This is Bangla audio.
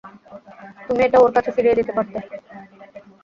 তুমি এটা ওর কাছে ফিরিয়ে দিতে পারতে।